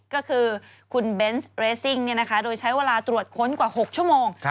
ก็คือคุณเบนส์เรสซิ่งโดยใช้เวลาตรวจค้นกว่า๖ชั่วโมง